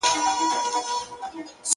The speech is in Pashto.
د اوښکو ټول څاڅکي دي ټول راټول کړه_